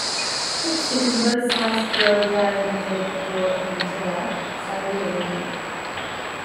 Talks between both sides broke down the day before in Jeddah, Saudi Arabia.